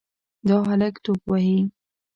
دا هلک توپ وهي.